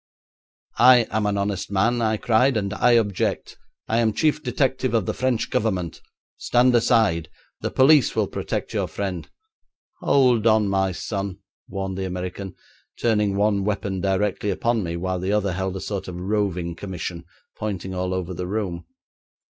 'I am an honest man,' I cried, 'and I object. I am chief detective of the French Government. Stand aside; the police will protect your friend.' 'Hold on, my son,' warned the American, turning one weapon directly upon me, while the other held a sort of roving commission, pointing all over the room.